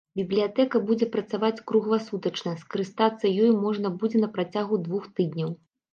Бібліятэка будзе працаваць кругласутачна, скарыстацца ёй можна будзе на працягу двух тыдняў.